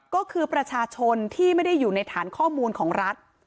ก็คือประชาชนที่ไม่ได้อยู่ในฐานข้อมูลของรัฐ